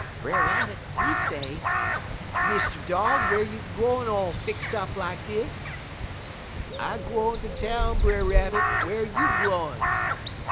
Brer Rabbit, he say: "'Mr. Dog, whar you gwine all fix up like dis?' "'I gwine ter town, Brer Rabbit; whar you gwine?'